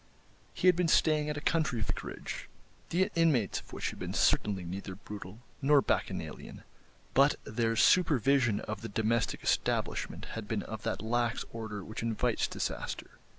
He had been staying at a country vicarage, the inmates of which had been certainly neither brutal nor bacchanalian, but their supervision of the domestic establishment had been of that lax order which invites disaster.